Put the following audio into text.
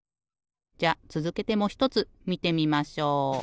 じゃあつづけてもひとつみてみましょう。